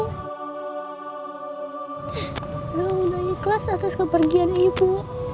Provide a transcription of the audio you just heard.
kalau udah ikhlas harus kepergian ibu